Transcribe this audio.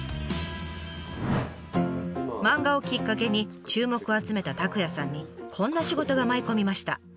漫画をきっかけに注目を集めた拓也さんにこんな仕事が舞い込みました。